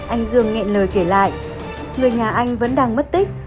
anh dương nghên lời kể lại người nhà anh vẫn đang mất tích